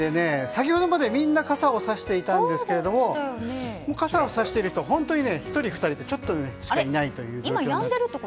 先ほどまでみんな傘をさしていたんですがもう傘をさしている人は１人か２人ちょっとしかないという状況。